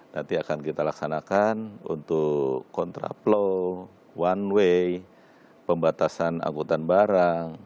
nanti akan kita laksanakan untuk kontraplow one way pembatasan angkutan barang